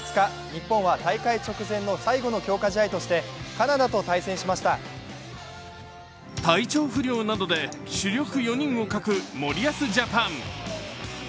日本は大会直前の最後の強化試合として体調不良などで主力４人を欠く森保ジャパン。